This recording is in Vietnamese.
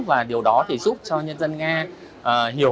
và điều đó thì giúp cho nhân dân nga hiểu